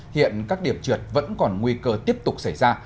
hiện các điểm sạt lở vẫn còn nguy cơ tiếp tục xảy ra